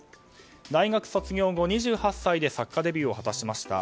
大学卒業後２８歳で作家デビューを果たしました。